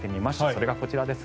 それがこちらです。